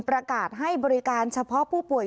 ประกาศให้บริการเฉพาะผู้ป่วย